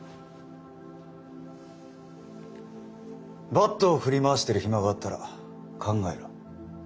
バットを振り回してる暇があったら考えろ。